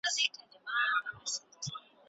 سرلوړي د هغو خلکو ده چي رښتیني وي.